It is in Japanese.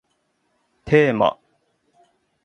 テーマ